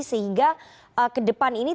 sehingga ke depan ini